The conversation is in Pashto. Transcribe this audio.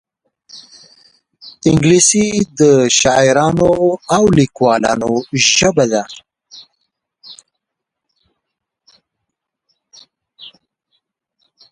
انګلیسي د شاعرانو او لیکوالانو ژبه ده